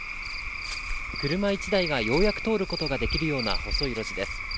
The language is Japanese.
車１台がようやく通ることができるような細い路地です。